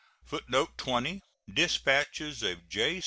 [Footnote 20: Dispatches of J.